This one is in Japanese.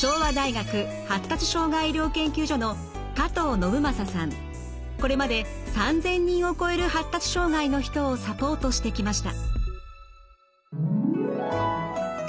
教えてくれるのはこれまで３，０００人を超える発達障害の人をサポートしてきました。